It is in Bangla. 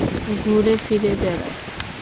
ঘুরে ফিরে বেড়ায়?